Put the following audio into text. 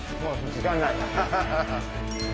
時間ない。